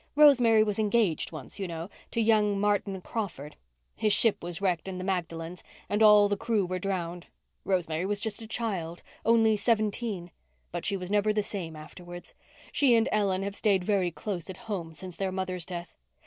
Rosemary was engaged once, you know—to young Martin Crawford. His ship was wrecked on the Magdalens and all the crew were drowned. Rosemary was just a child—only seventeen. But she was never the same afterwards. She and Ellen have stayed very close at home since their mother's death.